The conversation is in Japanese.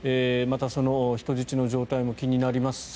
またその人質の状態も気になります。